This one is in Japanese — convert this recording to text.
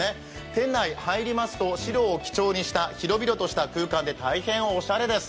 店内に入りますと、白を基調にした広々とした空間で大変おしゃれです。